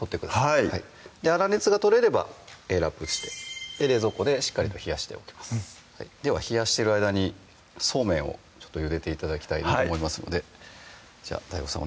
はい粗熱が取れればラップして冷蔵庫でしっかりと冷やしておきますでは冷やしてる間にそうめんをゆでて頂きたいなと思いますのでじゃあＤＡＩＧＯさん